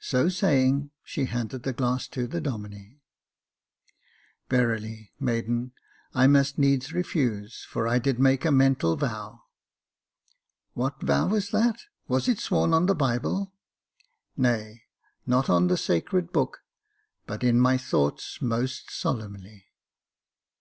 So saying, she handed the glass to the Domine. *' Verily, maiden, I must needs refuse, for I did make a mental vow." " What vow was that ? was it sworn on the Bible ?"" Nay, not on the sacred book, but in my thoughts most solemnly."